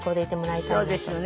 そうですよね。